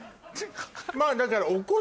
まぁだから。